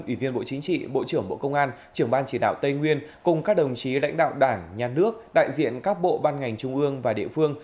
ủy viên bộ chính trị bộ trưởng bộ công an trưởng ban chỉ đạo tây nguyên cùng các đồng chí lãnh đạo đảng nhà nước đại diện các bộ ban ngành trung ương và địa phương